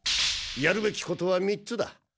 やるべきことは３つだ。